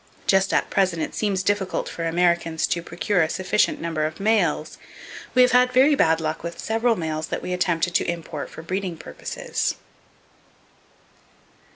Just at present it seems difficult for Americans to procure a sufficient number of males! We have had very bad luck with several males that we attempted to import for breeding purposes.